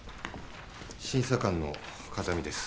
審査官の風見です。